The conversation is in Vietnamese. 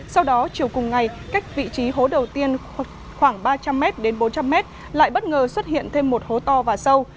sau đó chiều cùng ngày cách vị trí hố đầu tiên khoảng ba trăm linh m đến bốn trăm linh m lại bất ngờ xuất hiện thêm một hố to và sâu